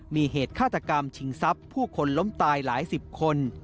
มีเหตุฆาตกรรมชิงทรัพย์ผู้คนล้มตายหลายสิบคน